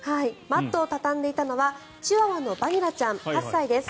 マットを畳んでいたのはチワワのバニラちゃん８歳です。